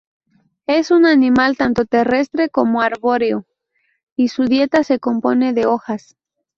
Es un animal tanto terrestre como arbóreo y su dieta se compone de hojas.